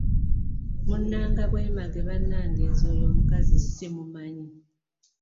Munnanga bwemage bannange nze oyo omkazi ssimumanyi.